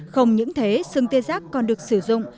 không những thế sừng tê giác còn được sử dụng